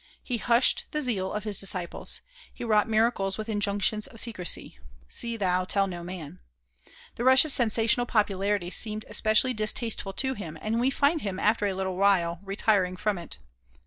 He hushed the zeal of his disciples. He wrought miracles with injunctions of secrecy "See thou tell no man." The rush of sensational popularity seemed especially distasteful to him, and we find him after a little retiring from it.